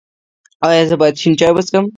ایا زه باید شین چای وڅښم؟